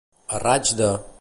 A raig de.